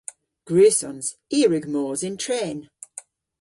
Gwrussons. I a wrug mos yn tren.